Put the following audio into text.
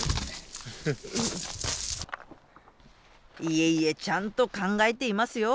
いえいえちゃんと考えていますよ。